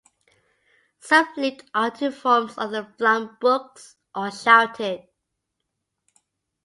Some leaped onto forms, others flung books, all shouted.